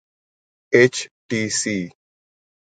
H T C